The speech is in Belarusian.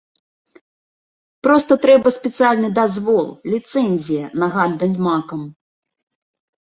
Проста трэба спецыяльны дазвол, ліцэнзія на гандаль макам.